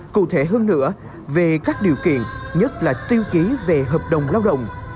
cụ thể hơn nữa về các điều kiện nhất là tiêu chí về hợp đồng lao động